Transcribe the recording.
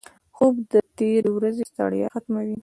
خوب د تېرې ورځې ستړیا ختموي